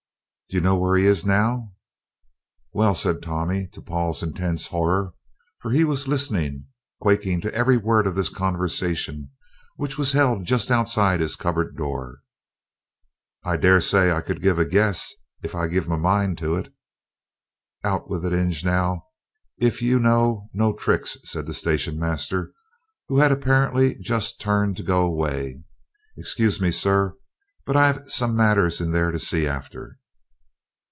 "Do you know where he is now?" "Well," said Tommy, to Paul's intense horror, for he was listening, quaking, to every word of this conversation, which was held just outside his cupboard door. "I dessay I could give a guess if I give my mind to it." "Out with it, Ing, now, if you know; no tricks," said the station master, who had apparently just turned to go away. "Excuse me, sir, but I've some matters in there to see after."